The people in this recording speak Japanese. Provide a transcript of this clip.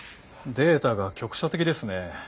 データが局所的ですね。